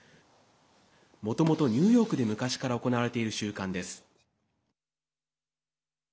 もともとニューヨークで昔から行われている習慣です。